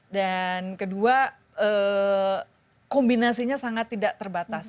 dan kedua kombinasinya sangat tidak terbatas